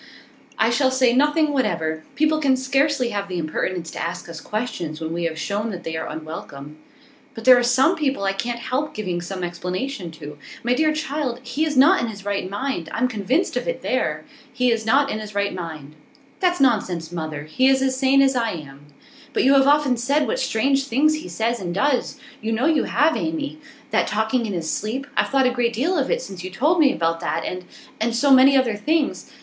'I shall say nothing whatever. People can scarcely have the impertinence to ask us questions when we have shown that they are unwelcome.' 'But there are some people I can't help giving some explanation to. My dear child, he is not in his right mind. I'm convinced of it, there! He is not in his right mind.' 'That's nonsense, mother. He is as sane as I am.' 'But you have often said what strange things he says and does; you know you have, Amy. That talking in his sleep; I've thought a great deal of it since you told me about that. And and so many other things.